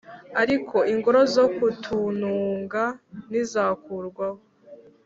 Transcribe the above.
ariko ingoro zo ku tununga ntizakurwaho